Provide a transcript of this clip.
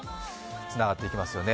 つながっていきますよね。